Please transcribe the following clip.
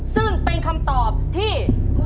ซึ่งเป็นคำตอบที่